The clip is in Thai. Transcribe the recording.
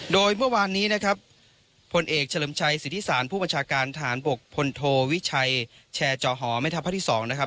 โดยเมื่อวานนี้นะครับพลเอกเฉลิมชัยสิทธิสารผู้บัญชาการทหารบกพลโทวิชัยแชร์จอหอแม่ทัพภาคที่๒นะครับ